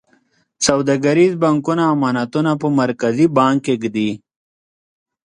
سوداګریز بانکونه امانتونه په مرکزي بانک کې ږدي.